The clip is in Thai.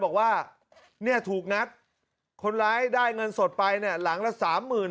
บอกว่าเนี่ยถูกงัดคนร้ายได้เงินสดไปเนี่ยหลังละสามหมื่น